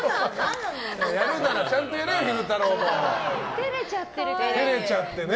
照れちゃってるから。